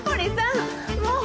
もう。